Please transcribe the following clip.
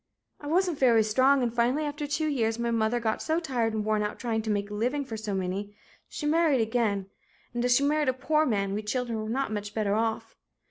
"I wasn't very strong and finally after two years my mother got so tired and worn out trying to make a living for so many, she married again, and as she married a poor man, we children were not much better off.